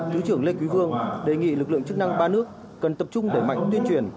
thứ trưởng lê quý vương đề nghị lực lượng chức năng ba nước cần tập trung đẩy mạnh tuyên truyền